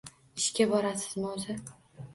Ishga borasizmi o`zi